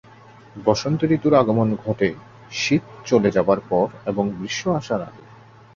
বসন্ত ঋতুর আগমন ঘটে শীত চলে যাবার পর এবং গ্রীষ্ম আসার আগে।